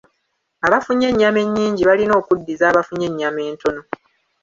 Abafunye ennyama ennyingi balina okuddiza abafunye ennyama entono.